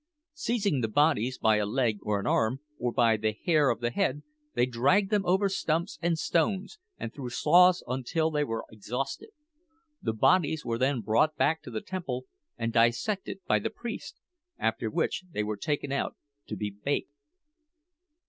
Seizing the bodies by a leg or an arm, or by the hair of the head, they dragged them over stumps and stones and through sloughs until they were exhausted. The bodies were then brought back to the temple and dissected by the priest, after which they were taken out to be baked.